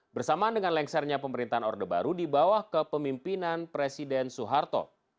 bersamaan dengan lengsernya pemerintahan orde baru di bawah kepemimpinan presiden soeharto